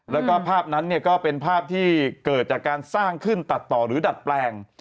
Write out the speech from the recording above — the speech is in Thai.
แล้วก็ภาพนั้นก็เป็นภาพที่เกิดจากการสร้างขึ้นตัดต่อหรือดัดแปลง